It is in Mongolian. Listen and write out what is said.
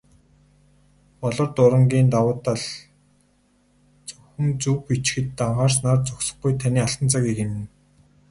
"Болор дуран"-ийн давуу тал зөвхөн зөв бичихэд анхаарснаар зогсохгүй, таны алтан цагийг хэмнэнэ.